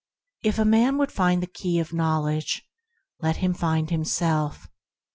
If a man would find the Key of Knowl edge, let him find himself.